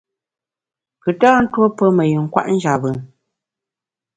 Pùn tâ ntuo pe me yin kwet njap bùn.